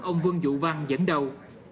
ông vương dụ văn dẫn đầu